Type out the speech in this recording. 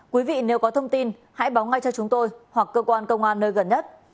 quý vị nếu có thông tin hãy báo ngay cho chúng tôi hoặc cơ quan công an nơi gần nhất